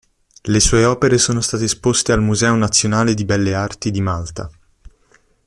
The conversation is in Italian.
Le sue opere sono state esposte al Museo Nazionale di Belle Arti di Malta.